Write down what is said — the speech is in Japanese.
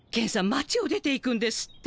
町を出ていくんですって？